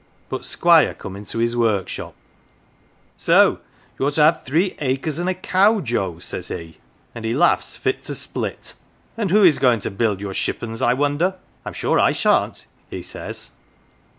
But Squire come into his workshop ' So you're to have three acres and a cow, Joe ?' says he, and he laughs fit to split. ' And who is going to build your shippons, I wonder ? I'm sure I shan't, 1 he says.